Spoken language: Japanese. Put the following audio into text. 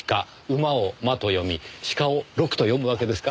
馬を「ま」と読み鹿を「ろく」と読むわけですか？